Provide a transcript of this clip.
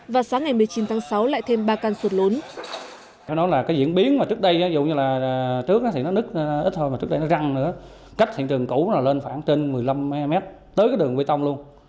và sáng ngày một mươi chín tháng sáu lại thêm ba căn sụp lùn